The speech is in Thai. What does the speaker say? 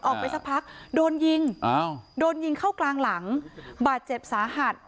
ออกไปสักพักโดนยิงอ้าวโดนยิงเข้ากลางหลังบาดเจ็บสาหัส